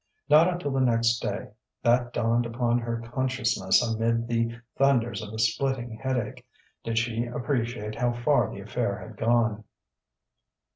Not until the next day, that dawned upon her consciousness amid the thunders of a splitting headache, did she appreciate how far the affair had gone.